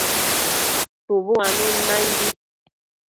Shubu uanun naimbi